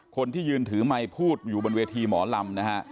คนที่ยืนถือไมค์พูดอยู่บนเวทีหมอลำนะฮะ